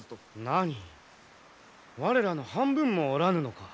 何我らの半分もおらぬのか。